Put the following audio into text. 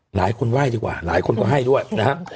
หลายคนไหว้ดีกว่าหลายคนก็ให้ด้วยนะครับ